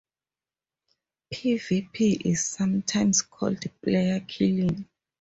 PvP is sometimes called player killing.